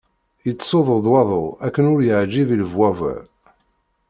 Yettsuḍu-d waḍu akken ur yeɛǧib i lebwaber.